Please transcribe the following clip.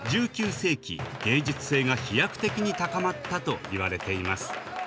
世紀芸術性が飛躍的に高まったといわれています。